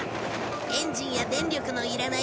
エンジンや電力のいらない